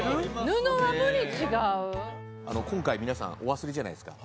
今回皆さんお忘れじゃないですか？